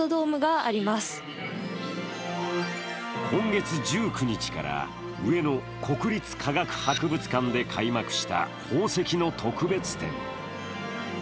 今月１９日から上野国立科学博物館で開幕した宝石の特別展。